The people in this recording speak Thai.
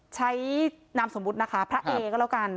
นามสมมุตินะคะพระเอก็แล้วกัน